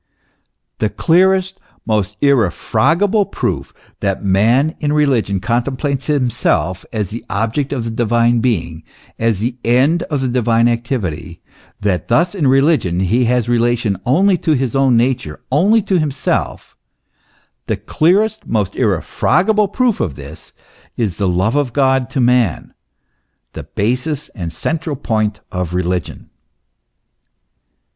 The clearest, most irrefragable proof, that man in religion contemplates himself as the object of the divine Being, as the end of the divine activity, that thus in religion he has relation only to his own nature, only to himself, the clearest, most irrefragable proof of this is the love of God to man, the basis and central point of religion.